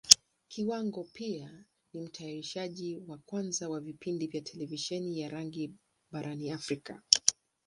Kiwango pia ni Mtayarishaji wa kwanza wa vipindi vya Televisheni ya rangi barani Africa.